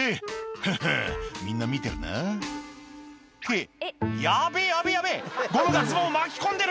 「フフンみんな見てるな？」ってヤベェヤベェヤベェゴムがズボンを巻き込んでる！